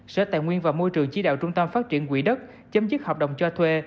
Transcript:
sở tài nguyên và môi trường chỉ đạo trung tâm phát triển quỹ đất chấm dứt hợp đồng cho thuê